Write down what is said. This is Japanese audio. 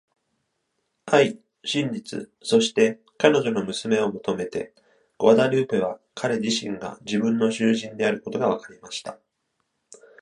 愛、真実、そして彼女の娘を求めて、グアダルーペは彼自身が人生の囚人であることがわかりました。